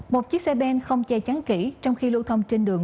một chiếc xe ben không che chắn kỹ trong khi lưu thông trên đường